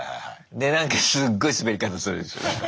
でなんかすっごいスベり方するでしょ。